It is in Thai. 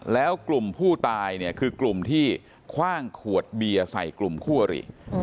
แล้วกลุ่มผู้ตายเนี่ยคือกลุ่มที่คว่างขวดเบียร์ใส่กลุ่มคู่อริ